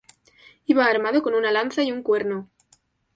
Iba armado con una lanza y un cuerno.